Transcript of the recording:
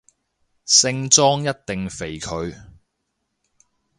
聖莊一定肥佢